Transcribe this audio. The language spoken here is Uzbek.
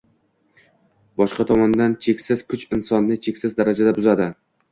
Boshqa tomondan, cheksiz kuch insonni cheksiz darajada buzadi